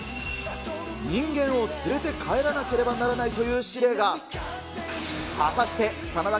人間を連れて帰らなければならないという指令が。